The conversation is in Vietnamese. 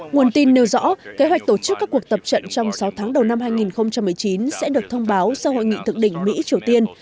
nguồn tin nêu rõ kế hoạch tổ chức các cuộc tập trận trong sáu tháng đầu năm hai nghìn một mươi chín sẽ được thông báo sau hội nghị thượng đỉnh mỹ triều tiên